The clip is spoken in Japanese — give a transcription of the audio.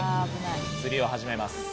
釣りを始めます。